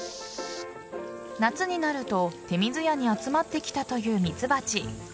夏になると手水舎に集まってきたというミツバチ。